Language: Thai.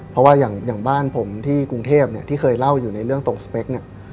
เพราะว่าอย่างบ้านผมที่กรุงเทพเนี่ยที่เคยเล่าอยู่ในเรื่องตรงสเปคเนี่ย